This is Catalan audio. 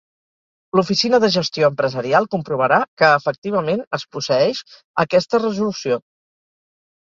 L'Oficina de Gestió Empresarial comprovarà que efectivament es posseeix aquesta Resolució.